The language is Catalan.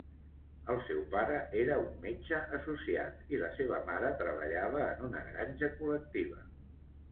El seu pare era un metge associat i la seva mare treballava en una granja col·lectiva.